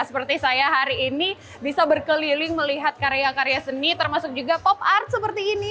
seperti saya hari ini bisa berkeliling melihat karya karya seni termasuk juga pop art seperti ini